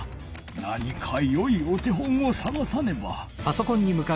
何かよいお手本をさがさねば。